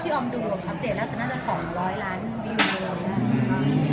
พี่ออมดูแล้วคอปเดตน่าจะ๒๐๐ล้านวิวเยอะ